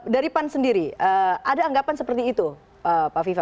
dari pan sendiri ada anggapan seperti itu pak viva